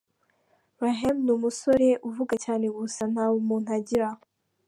Raheem ni umusore uvuga cyane gusa nta bumuntu agira.